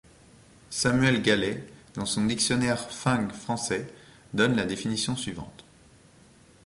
Samuel Galley dans son dictionnaire fang-français donne la définition suivante.